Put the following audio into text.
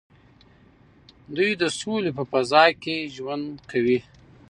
دوی د سولې په فضا کې ژوند کوي.